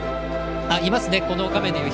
いますね。